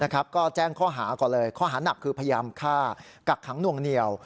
ก็แจ้งข้อหาก่อนเลยข้อหานักคือพยายามฆ่ากักขังนวงเหนียว